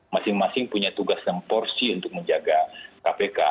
masing masing punya tugas dan porsi untuk menjaga kpk